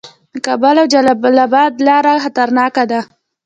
د کابل او جلال اباد لاره خطرناکه ده